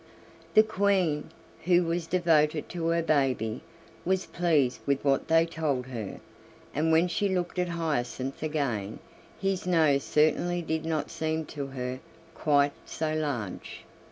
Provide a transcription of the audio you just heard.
The Queen, who was devoted to her baby, was pleased with what they told her, and when she looked at Hyacinth again, his nose certainly did not seem to her quite so large.